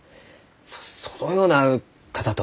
そそのような方と。